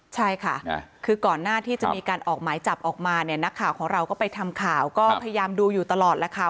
ใช่ค่ะคือก่อนหน้าที่จะมีการออกหมายจับออกมาเนี่ยนักข่าวของเราก็ไปทำข่าวก็พยายามดูอยู่ตลอดแล้วค่ะ